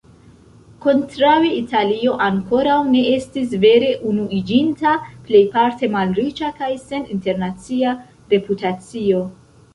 Kontraŭe Italio ankoraŭ ne estis vere unuiĝinta, plejparte malriĉa kaj sen internacia reputacio.